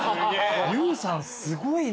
ＹＯＵさんすごいな。